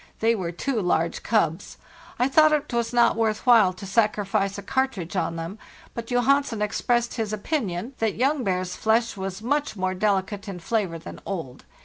They were two large cubs. I thought it was not worth while to sacrifice a cartridge on them, but Johansen ex pressed his opinion that young bear's flesh was much more delicate in flavor than old.